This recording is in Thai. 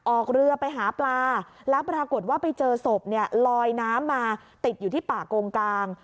ออกเรือไปหาปลาแล้วปรากฏว่าไปเจอศพเนี่ยลอยน้ำมาติดอยู่ที่ป่ากงกลาง